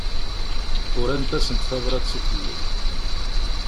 Urant-asen tabrat iḍelli.